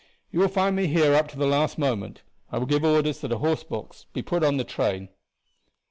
You will find me here up to the last moment. I will give orders that a horse box be put on to the train."